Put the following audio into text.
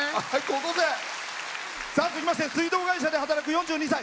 続きまして水道会社で働く４２歳。